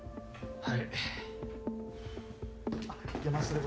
はい。